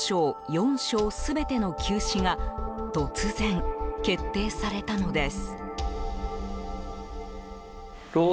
４床全ての休止が突然、決定されたのです。